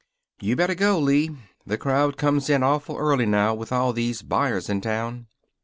"You better go, Lee. The crowd comes in awful early now, with all these buyers in town."